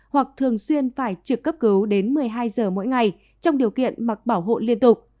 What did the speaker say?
hoặc thường xuyên phải trực cấp cứu đến một mươi hai giờ mỗi ngày trong điều kiện mặc bảo hộ liên tục